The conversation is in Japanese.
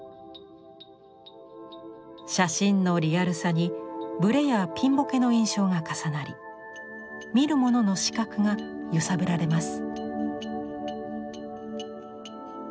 写真のリアルさにブレやピンボケの印象が重なり見る者の視覚が揺さぶられます。